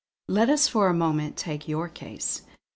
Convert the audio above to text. Let us for a moment take your case.